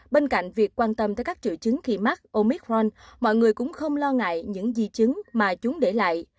bên cạnh việc quan tâm tới các triệu chứng khi mắc omic ron mọi người cũng không lo ngại những di chứng mà chúng để lại